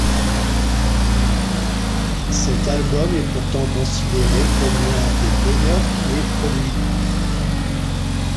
Cet album est pourtant considéré comme l'un des meilleurs qu'il ait produit.